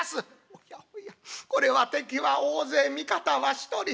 「おやおやこれは敵は大勢味方は１人。